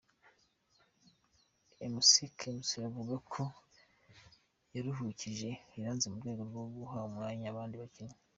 McKinstry avuga ko yaruhukije Iranzi mu rwego rwo guha umwanya abandi bakinnyi.